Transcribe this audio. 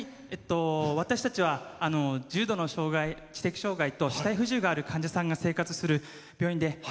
私たちは重度の知的障害と肢体不自由がある患者さんが入院する病院で。